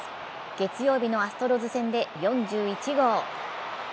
月曜日のアストロズ戦で４１号。